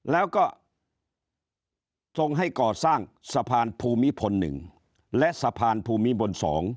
แล้วก็ส่งให้ก่อสร้างสะพานภูมิพล๑และสะพานภูมิพล๒